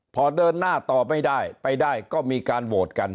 พอเดินหน้าต่อไม่ได้ไปได้ก็มีการโหวตกัน